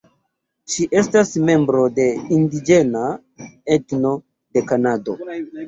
Ŝi estas membro de indiĝena etno de Kanado.